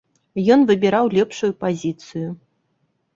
Ён выбіраў лепшую пазіцыю.